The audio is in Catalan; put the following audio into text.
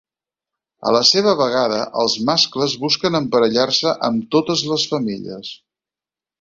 A la seva vegada, els mascles busquen emparellar-se amb totes les femelles.